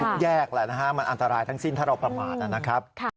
แยกแหละนะฮะมันอันตรายทั้งสิ้นถ้าเราประมาทนะครับ